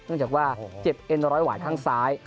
เนื่องจากว่าเจ็บเอ็นรอ้อยหวัดข้างซ้าย